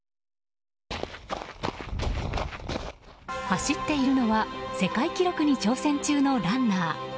走っているのは世界記録に挑戦中のランナー。